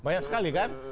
banyak sekali kan